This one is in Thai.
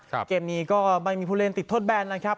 เกมนี้ก็ไม่มีผู้เล่นติดทดแบนนะครับ